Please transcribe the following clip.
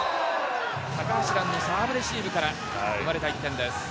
高橋藍のサーブレシーブから生まれた１点です。